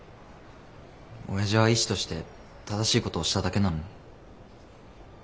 親父は医師として正しいことをしただけなのに。